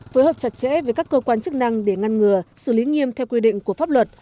phối hợp chặt chẽ với các cơ quan chức năng để ngăn ngừa xử lý nghiêm theo quy định của pháp luật